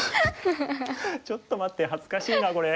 ちょっと待って恥ずかしいなこれ。